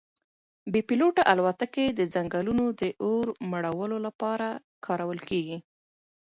بې پیلوټه الوتکې د ځنګلونو د اور مړولو لپاره کارول کیږي.